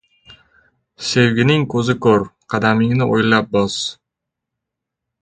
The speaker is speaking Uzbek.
• Sevgining ko‘zi ko‘r. Qadamingni o‘ylab bos.